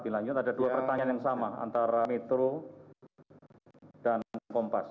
lebih lanjut ada dua pertanyaan yang sama antara metro dan kompas